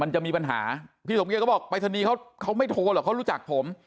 มันจะมีปัญหาพี่สงเกตก็บอกไปรษณีย์เขาเขาไม่โทรหรอกเขารู้จักผม